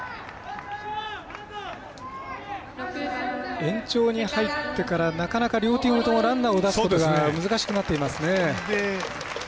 延長に入ってからなかなか両チームともランナーを出すことが難しくなっていますね。